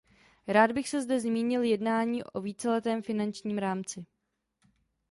Rád bych se zde zmínil jednání o víceletém finančním rámci.